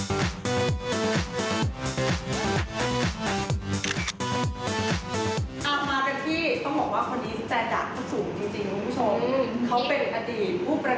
แล้วนอกจากนั้นก็ยังมีแชทมีคุยกันตลอดค่ะ